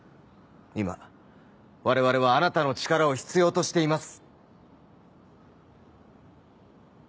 今我々はあなたの力を必要としています。